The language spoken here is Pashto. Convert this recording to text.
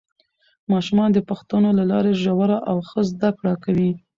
ماشومان د پوښتنو له لارې ژوره او ښه زده کړه کوي